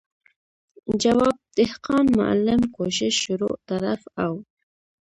جواب، دهقان، معلم، کوشش، شروع، طرف او ...